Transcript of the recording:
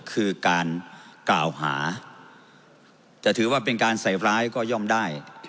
คือการกล่าวหาจะถือว่าเป็นการใส่ร้ายก็ย่อมได้